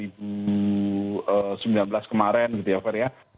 kita masih belum lupa lah ketika tahun dua ribu sembilan belas kemarin gitu ya fair ya